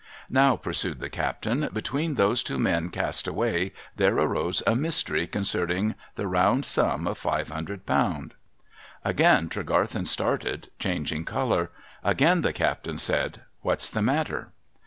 ' Now,' pursued the captain, ' between those two men cast away there arose a mystery concerning the round sum of five hundred pound.' 246 A MESSAGE FROM THE SEA Again 'rrcgarthcn started, changing colour. Again the captain said, ' What's the matter?